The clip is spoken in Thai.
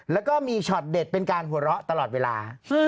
แล้วก็มีช็อตเด็ดเป็นการหัวเราะตลอดเวลา